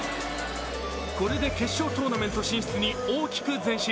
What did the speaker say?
これで決勝トーナメント進出に大きく前進。